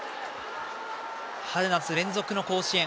春夏連続の甲子園。